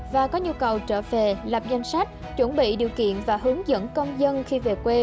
và có nhu cầu trở về lập danh sách chuẩn bị điều kiện và hướng dẫn công dân khi về quê